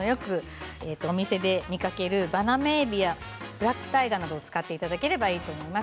お店で見かけるバナメイエビブラックタイガーなどを使っていただければいいと思います。